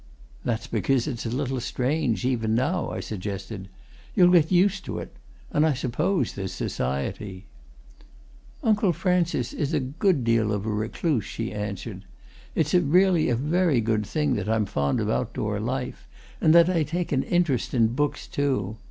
"That's because it's a little strange, even now," I suggested. "You'll get used to it. And I suppose there's society." "Uncle Francis is a good deal of a recluse," she answered. "It's really a very good thing that I'm fond of outdoor life, and that I take an interest in books, too.